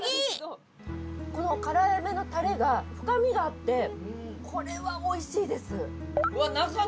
この辛めのタレが深みがあってこれはおいしいです。